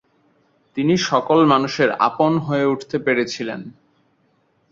তিনি সকল মানুষের আপন হয়ে উঠতে পেরেছিলেন।